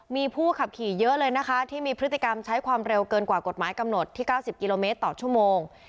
มีผู้ขับขี่เยอะเลยนะคะที่มีพฤติกรรมใช้ความเร็วเกินกว่ากฎหมายกำหนดที่๙๐กิโลเมตรต่อชั่วโมง